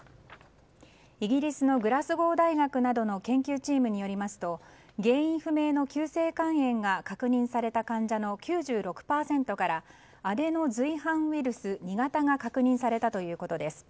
イギリスのグラスゴー大学などの研究チームによりますと原因不明の急性肝炎が確認された患者の９６％からアデノ随伴ウイルス２型が確認されたということです。